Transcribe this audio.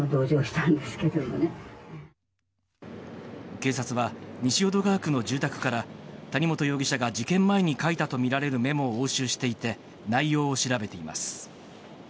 警察は西淀川区の住宅から谷本容疑者が事件前に書いたとみられるメモを押収していて内容を調べています。